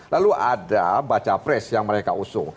lalu ada baca pres yang mereka usung